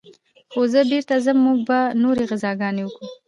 خو زه بېرته ځم موږ به نورې غزاګانې وكو.